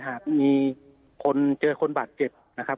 หากมีคนเจอคนบาดเจ็บนะครับ